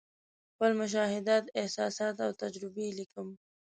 خپل مشاهدات، احساسات او تجربې لیکم.